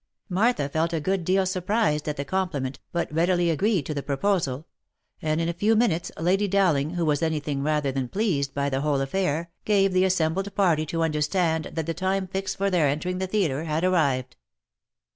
Martha felt a good deal surprised at the compliment, but readily agreed to the proposal ; and in a few minutes, Lady Dowling, who was any thing rather than pleased by the whole affair, gave the assembled party to understand that the time fixed for their entering the theatre had arrived.